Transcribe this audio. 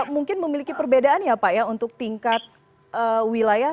mungkin memiliki perbedaan ya pak ya untuk tingkat wilayah